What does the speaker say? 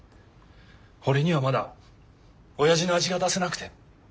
俺にはまだおやじの味が出せなくて。